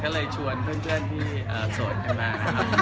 ก็เลยชวนเพื่อนที่สวดขึ้นมา